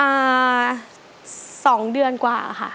มา๒เดือนกว่าค่ะ